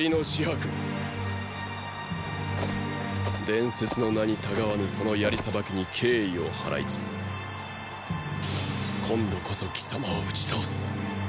伝説の名にたがわぬその槍さばきに敬意を払いつつ今度こそ貴様を打ち倒す。